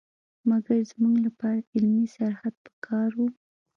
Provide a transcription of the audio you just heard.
مګر زموږ لپاره علمي سرحد په کار وو.